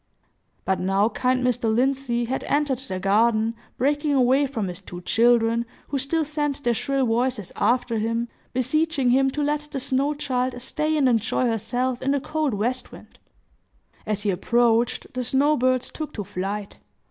But now kind Mr. Lindsey had entered the garden, breaking away from his two children, who still sent their shrill voices after him, beseeching him to let the snow child stay and enjoy herself in the cold west wind. As he approached, the snow birds took to flight.